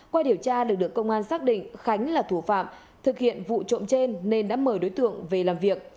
qua điều tra lực lượng công an xác định khánh là thủ phạm thực hiện vụ trộm trên nên đã mời đối tượng về làm việc